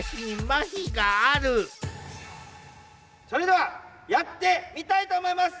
それではやってみたいと思います！